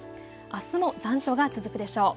あすも残暑が続くでしょう。